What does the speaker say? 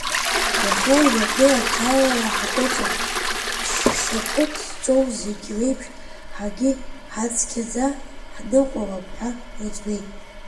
Иахьа инаркны аҭалара ҳаҟәыҵып, ԥшь-шьапык зҵоу зегьы реиԥш ҳаргьы ҳацқьаӡа ҳныҟәалап ҳәа рыӡбеит…